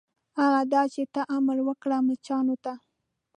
هغه دا چې ته امر وکړه مچانو ته.